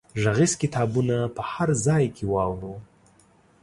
غږیز کتابونه په هر ځای کې واورو.